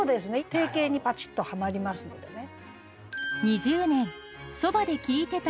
定型にパチッとはまりますのでね。